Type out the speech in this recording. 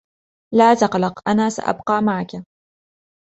لا تقلق. أنا سأبقى معك..